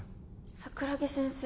桜木先生